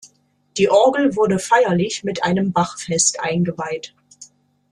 Die Orgel wurde feierlich mit einem Bachfest eingeweiht.